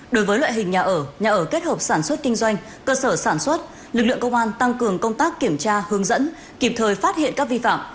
đối với loại hình nhà ở nhà ở kết hợp sản xuất kinh doanh cơ sở sản xuất lực lượng công an tăng cường công tác kiểm tra hướng dẫn kịp thời phát hiện các vi phạm